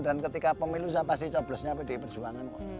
dan ketika pemilu saya pasti coblosnya pdi perjuangan kok